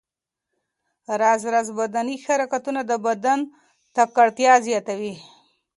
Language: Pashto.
راز راز بدني حرکتونه د بدن تکړتیا زیاتوي.